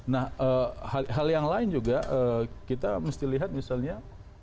nah hal yang lain juga kita mesti lihat misalnya